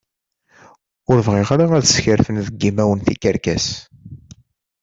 Ur bɣiɣ ara ad skerfen deg yimawen tikerkas.